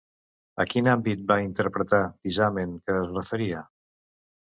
A quin àmbit va interpretar Tisamen que es referia?